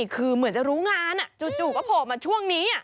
คือเหมือนจะรู้งานจู่ก็โผล่มาช่วงนี้